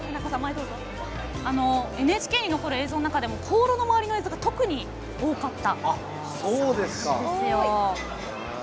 ＮＨＫに残る映像の中でも香炉の周りの映像が特に多かったんですよ。